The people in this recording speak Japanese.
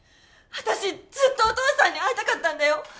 私ずっとお父さんに会いたかったんだよ。